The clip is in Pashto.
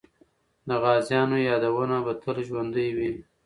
د غازیانو یادونه به تل ژوندۍ وي.